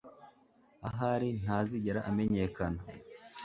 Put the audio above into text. Ahari ntazigera amenyekana